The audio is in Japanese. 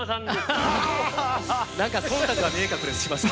何かそんたくが見え隠れしました。